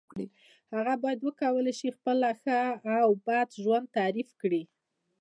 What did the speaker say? هغه باید وکولای شي خپله ښه او بد ژوند تعریف کړی.